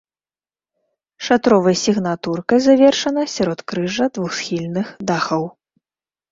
Шатровай сігнатуркай завершана сяродкрыжжа двухсхільных дахаў.